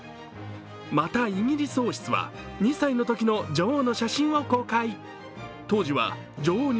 またイギリス王室は２歳のときの女王の写真を公開。